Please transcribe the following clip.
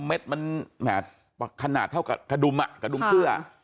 เม็ดมันแหมขนาดเท่ากับกระดุมอ่ะกระดุมเสื้อ